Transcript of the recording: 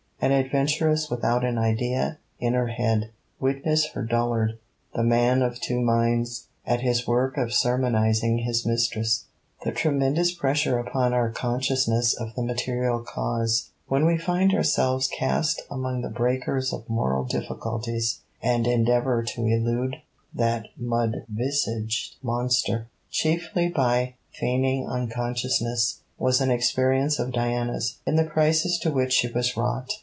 An adventuress without an idea in her head: witness her dullard, The Man of Two Minds, at his work of sermonizing his mistress. The tremendous pressure upon our consciousness of the material cause, when we find ourselves cast among the breakers of moral difficulties and endeavour to elude that mudvisaged monster, chiefly by feigning unconsciousness, was an experience of Diana's, in the crisis to which she was wrought.